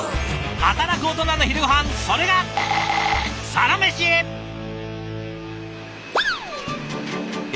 働くオトナの昼ごはんそれがえ